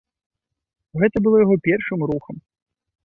Гэта было яго першым рухам.